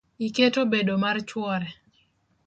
Iketo bedo mar chwore.